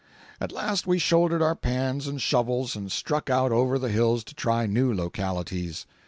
—At last we shouldered our pans and shovels and struck out over the hills to try new localities.